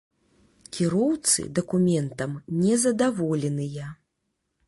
Кіроўцы дакументам не задаволеныя.